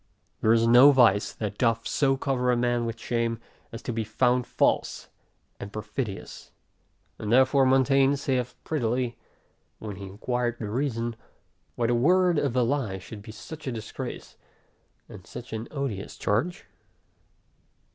There is no vice, that doth so cover a man with shame, as to be found false and perfidious. And therefore Montaigne saith prettily, when he inquired the reason, why the word of the lie should be such a disgrace, and such an odious charge?